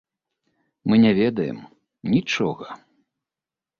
Мы не ведаем, нічога.